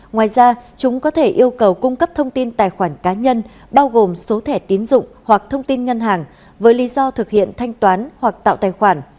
ngoài ra chúng có thể yêu cầu cung cấp thông tin tài khoản cá nhân bao gồm số thẻ tín dụng hoặc thông tin ngân hàng với lý do thực hiện thanh toán hoặc tạo tài khoản